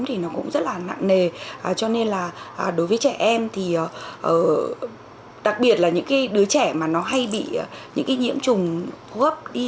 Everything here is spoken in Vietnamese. thì nó cũng rất là nặng nề cho nên là đối với trẻ em thì đặc biệt là những cái đứa trẻ mà nó hay bị những cái nhiễm trùng hốp đi